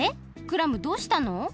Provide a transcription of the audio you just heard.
クラムどうしたの？